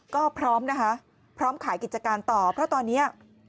ก็พร้อมนะคะพร้อมขายกิจการต่อเพราะตอนนี้